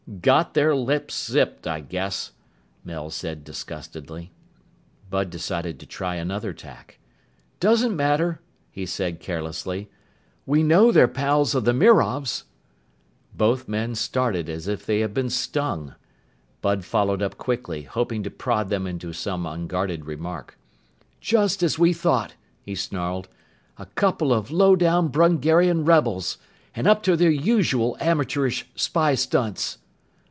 "Got their lips zipped, I guess," Mel said disgustedly. Bud decided to try another tack. "Doesn't matter," he said carelessly. "We know they're pals of the Mirovs." Both men started as if they had been stung. Bud followed up quickly, hoping to prod them into some unguarded remark. "Just as we thought!" he snarled. "A couple of low down Brungarian rebels! And up to their usual amateurish spy stunts!"